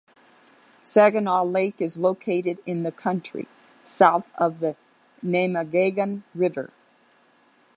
Saginaw Lake is located in the county, south of the Namekagon River.